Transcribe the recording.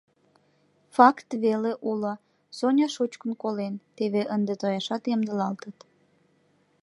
Факт веле уло – Соня шучкын колен, теве ынде тояшат ямдылалтыт.